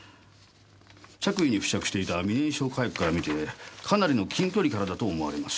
着衣に付着していた未燃焼火薬から見てかなりの近距離からだと思われます。